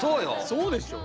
そうでしょう。